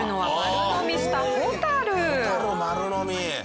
ホタル丸のみ！